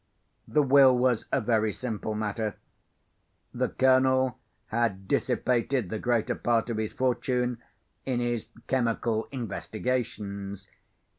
The will was a very simple matter. The Colonel had dissipated the greater part of his fortune in his chemical investigations.